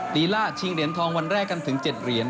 ลีล่าชิงเหรียญทองวันแรกกันถึง๗เหรียญ